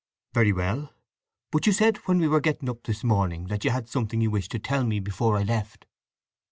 "Very well. But you said when we were getting up this morning that you had something you wished to tell me before I left?"